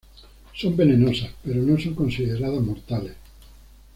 Son venenosas, pero no son consideradas mortales.